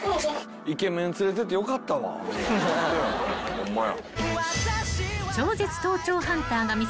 ホンマや。